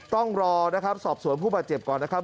ต้องรอนะครับสอบสวนผู้บาดเจ็บก่อนนะครับ